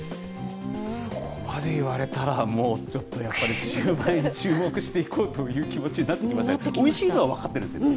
そこまで言われたら、もうちょっと、やっぱりシューマイに注目していこうという気持ちになってきましたね。